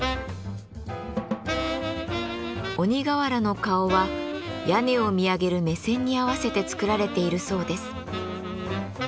鬼瓦の顔は屋根を見上げる目線に合わせて作られているそうです。